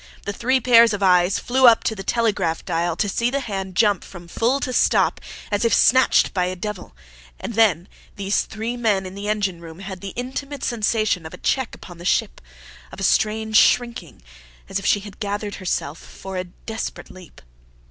The three pairs of eyes flew up to the telegraph dial to see the hand jump from FULL to STOP, as if snatched by a devil. And then these three men in the engineroom had the intimate sensation of a check upon the ship, of a strange shrinking, as if she had gathered herself for a desperate leap.